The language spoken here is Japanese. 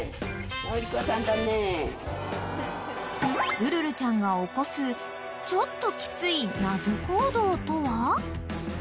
［ウルルちゃんが起こすちょっときつい謎行動とは？］